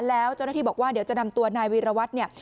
แล้วเจ้าหน้าที่บอกว่าเดี๋ยวจะนำตัวนายวีรวัตรเนี่ย